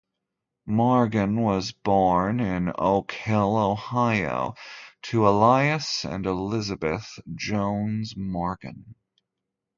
Morgan was born in Oak Hill, Ohio, to Elias and Elizabeth Jones Morgan.